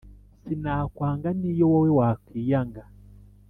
sinakwanga niyo wowe wakwiyanga